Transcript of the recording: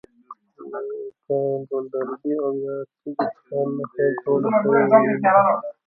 لکه له لرګي او یا تیږي څخه نښه جوړه شوې ده.